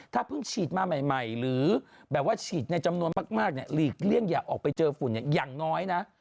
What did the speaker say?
ถ้าเพิ่งฉีดมาใหม่หรือแบบว่าฉีดในจำนวนมากเนี่ยหลีกเลี่ยงอย่าออกไปเจอฝุ่นอย่างน้อยนะ